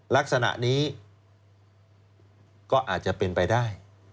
ลักษณะนี้ก็อาจจะเป็นไปได้